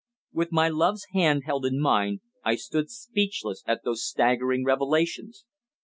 With my love's hand held in mine I stood speechless at those staggering revelations.